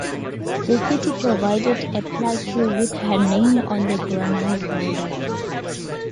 The City provided a plaque with her name on a granite boulder.